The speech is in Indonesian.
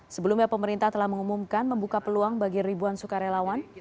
sebelumnya pemerintah telah mengumumkan membuka peluang bagi ribuan sukarelawan